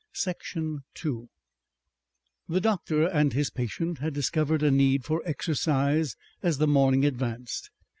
Section 2 The doctor and his patient had discovered a need for exercise as the morning advanced.